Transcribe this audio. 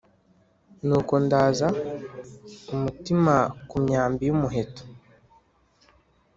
Ni uko ndaza umutima ku myambi y' umuheto